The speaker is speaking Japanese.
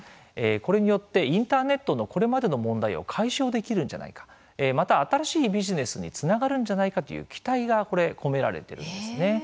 これによってインターネットのこれまでの問題を解消できるんじゃないかまた新しいビジネスにつながるんじゃないかという期待が込められてるんですね。